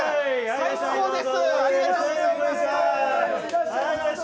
最高です。